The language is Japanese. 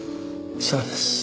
そうです。